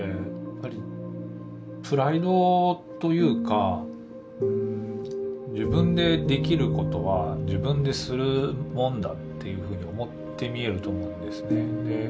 やっぱりプライドというか「自分でできることは自分でするもんだ」っていうふうに思ってみえると思うんですね。